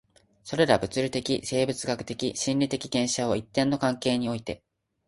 それら物理的、生物学的、心理的現象を一定の関係において